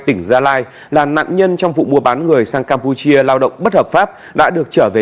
tỉnh gia lai là nạn nhân trong vụ mua bán người sang campuchia lao động bất hợp pháp đã được trở về